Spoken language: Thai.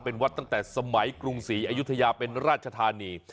เป็นวัดตั้งแต่สมัยกรุงศรีอยุธยาเป็นราชธานี